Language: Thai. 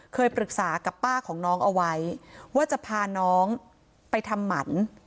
เคยปรึกษากับป้าของน้องเอาไว้ว่าจะพาน้องไปทำหมัน